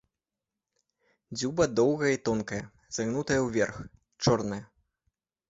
Дзюба доўгая і тонкая, загнутая ўверх, чорная.